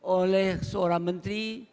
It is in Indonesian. oleh seorang menteri